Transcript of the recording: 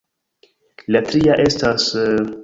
La tria estas...